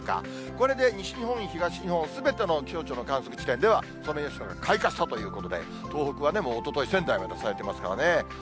これで西日本、東日本、すべての気象庁の観測地点ではソメイヨシノが開花したということで、東北はもうおととい、仙台が咲いていますからね。